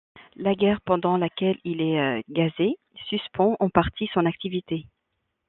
La guerre, pendant laquelle il est gazé, suspend en partie son activité.